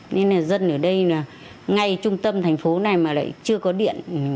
nên là dân ở đây là ngay trung tâm thành phố này mà lại chưa có điện